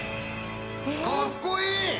かっこいい！